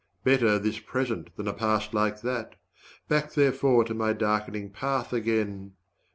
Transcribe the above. Better this present than a past like that; Back therefore to my darkening path again!